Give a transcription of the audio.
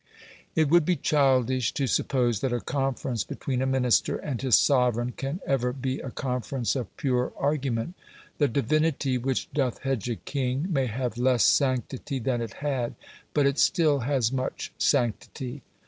It would be childish to suppose that a conference between a Minister and his sovereign can ever be a conference of pure argument. "The divinity which doth hedge a king" may have less sanctity than it had, but it still has much sanctity.